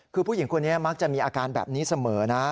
คือผู้หญิงคนนี้มักจะมีอาการแบบนี้เสมอนะ